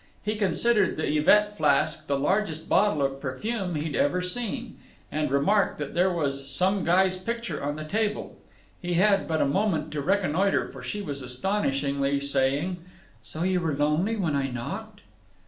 He considered the Yvette flask the largest bottle of perfume he'd ever seen; and remarked that there was "some guy's picture on the table." He had but a moment to reconnoiter, for she was astonishingly saying: "So you were lonely when I knocked?"